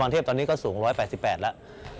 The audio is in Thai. เทพตอนนี้ก็สูง๑๘๘แล้ว